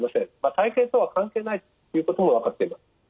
体型とは関係ないということも分かっています。